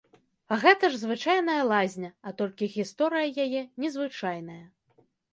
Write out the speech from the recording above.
А гэта ж звычайная лазня, а толькі гісторыя яе незвычайная.